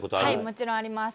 もちろんあります。